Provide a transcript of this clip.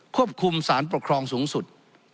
ควบคุมสารปกครองสูงสุด